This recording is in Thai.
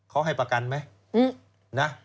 เขาให้ประกันไหมนะ